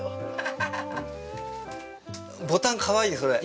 ボタンかわいいよそれ。